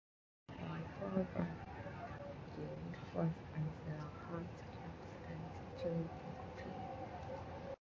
The only Vauxhall badging was on the hub caps and steering wheel.